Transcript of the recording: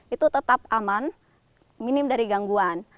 itu tetap aman minim dari gangguan